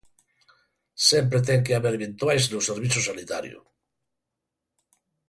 Sempre ten que haber eventuais no servizo sanitario.